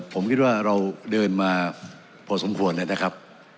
ผมคิดว่าเราเดินมาพอสมควรแล้วนะครับ